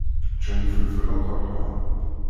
Ččan ifelfel aqeṛḥan.